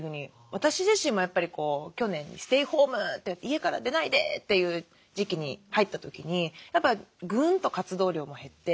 私自身もやっぱり去年ステイホーム家から出ないでという時期に入った時にやっぱぐんと活動量も減って。